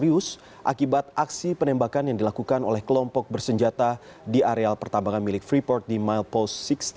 serius akibat aksi penembakan yang dilakukan oleh kelompok bersenjata di areal pertambangan milik freeport di milepost enam puluh